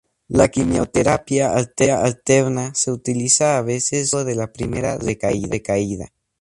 La quimioterapia alterna se utiliza a veces luego de la primera recaída.